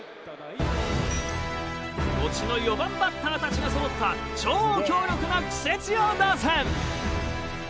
後の４番バッターたちがそろった超強力なクセ強打線。